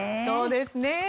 そうですね。